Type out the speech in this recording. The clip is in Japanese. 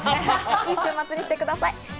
良い週末にしてください。